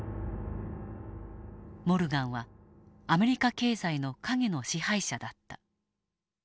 モルガンはアメリカ経済の陰の支配者だった。